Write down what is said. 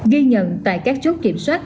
ghi nhận tại các chốt kiểm soát